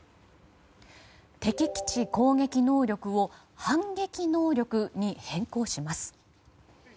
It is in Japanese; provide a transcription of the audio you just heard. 敵基地攻撃能力を反撃能力に変更します。